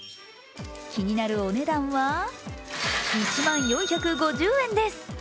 気になるお値段は、１万４５０円です。